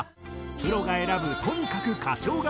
プロが選ぶとにかく歌唱がスゴい